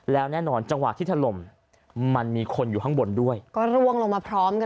แล้วแน่นอนจังหวะที่ถล่มมันมีคนอยู่ข้างบนด้วยก็ร่วงลงมาพร้อมกัน